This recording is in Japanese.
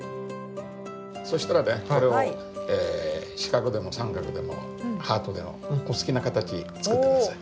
そしたらねこれを四角でも三角でもハートでもお好きな形作って下さい。